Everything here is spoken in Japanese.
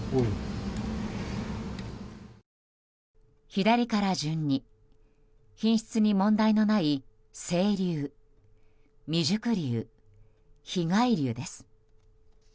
左から順に品質に問題のない整粒未熟粒、被害粒です。